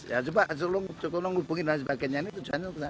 ya coba coba lo hubungin dan sebagainya